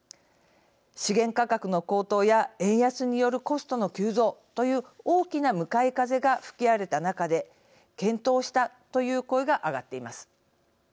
資源価格の高騰や円安によるコストの急増という大きな向かい風が吹き荒れた中で健闘したという声が上がっています。